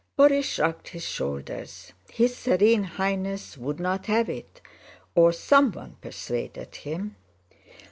Borís shrugged his shoulders, "his Serene Highness would not have it, or someone persuaded him.